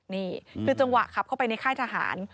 นี่คือจังหวะขับเข้าไปในค่ายทหาร